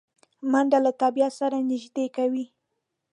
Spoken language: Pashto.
منډه له طبیعت سره نږدې کوي